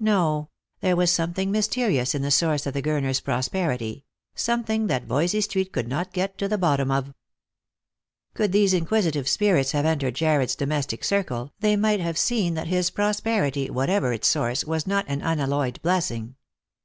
No; there was something mysterious in the source of the Gurners' prosperity — something that Voysey street could not get to the bottom of. Could these inquisitive spirits have entered Jarred's domestic circle, they might have seen that his prosperity, whatever its source, was not an unalloyed blessing.